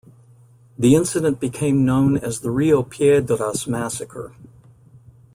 The incident became known as the Rio Piedras massacre.